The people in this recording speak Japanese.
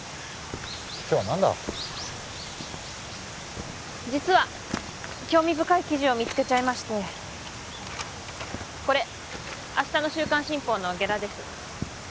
今日は何だ実は興味深い記事を見つけちゃいましてこれ明日の週刊新報のゲラです